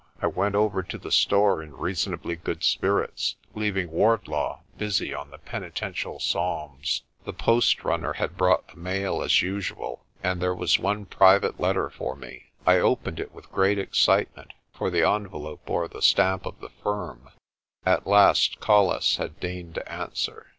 I went over to the store in reasonably good spirits, leaving Wardlaw busy on the penitential Psalms. The post runner had brought the mail as usual, and there was one private letter for me. I opened it with great excite ment, for the envelope bore the stamp of the firm. At last Colles had deigned to answer.